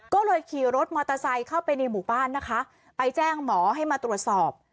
ก็เลยขี่รถมอเตอร์ไซค์เข้าไปในหมู่บ้านนะคะไปแจ้งหมอให้มาตรวจสอบ